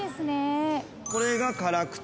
これが辛口だ。